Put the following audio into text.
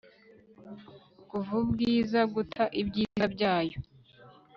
Kuva ubwiza guta ibyiza byayo